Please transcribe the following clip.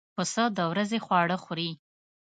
پسه د ورځې خواړه خوري.